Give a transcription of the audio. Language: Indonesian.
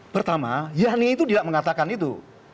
pertama yanni itu tidak mengatakan itu